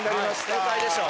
正解でしょ。